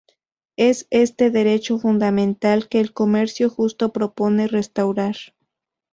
Es este derecho fundamental que el comercio justo propone restaurar.